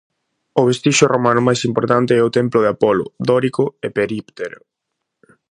O vestixio romano máis importante é o templo de Apolo, dórico e períptero.